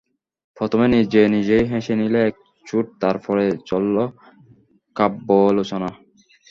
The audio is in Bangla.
প্রথমে নিজে নিজেই হেসে নিলে এক চোট, তার পরে চলল কাব্যালোচনা।